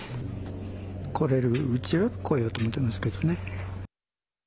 来れるうちは来ようと思ってますけどね。